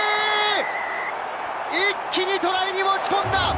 一気にトライに持ち込んだ！